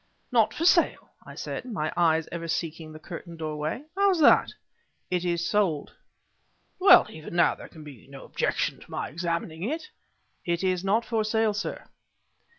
"Not for sale!" I said, my eyes ever seeking the curtained doorway; "how's that?" "It is sold." "Well, even so, there can be no objection to my examining it?" "It is not for sale, sir."